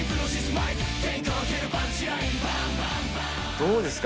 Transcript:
どうですか？